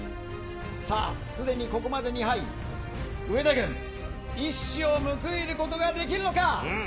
さあ、すでにここまで２敗、上田軍、一矢を報いることができるのか。